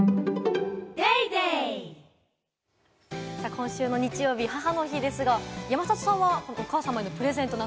今週の日曜日、母の日ですが、山里さんはお母様にプレゼントなど？